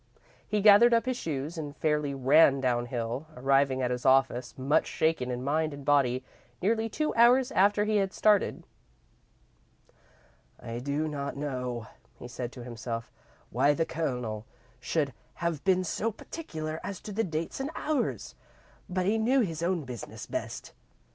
He gathered up his shoes and fairly ran downhill, arriving at his office much shaken in mind and body, nearly two hours after he had started. "I do not know," he said to himself, "why the Colonel should have been so particular as to dates and hours, but he knew his own business best."